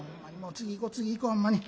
次行こ次行こほんまに。